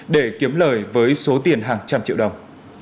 để kiếm lời với số tiền hàng trăm triệu đồng